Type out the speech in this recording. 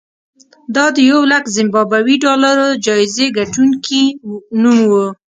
دا د یولک زیمبابويي ډالرو جایزې ګټونکي نوم و.